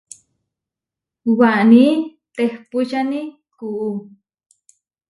Waní tehpúčani kuú.